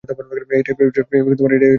এটাই হচ্ছে প্রথম কাজ!